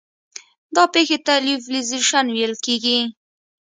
دا پېښې ته لیوفیلیزیشن ویل کیږي.